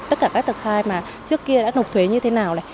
tất cả các tập khai mà trước kia đã nộp thuế như thế nào